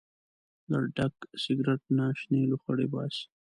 له ډک سګرټ نه شنې لوخړې باسي.